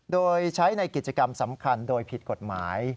โดยใช้ในกิจกรรมสำคัญโดยผิดกฎหมาย